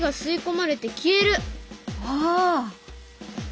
ああ。